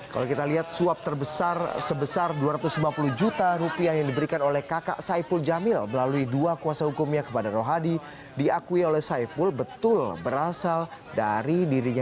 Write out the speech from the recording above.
kalau kita lihat suap terbesar sebesar dua ratus lima puluh juta rupiah yang diberikan oleh kakak saipul jamil melalui dua kuasa hukumnya kepada rohadi diakui oleh saiful betul berasal dari dirinya